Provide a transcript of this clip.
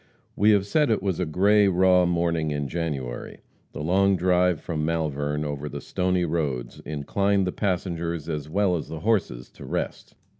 We have said it was a gray, raw morning in January. The long drive from Malvern over the stony roads inclined the passengers, as well as the horses, to rest.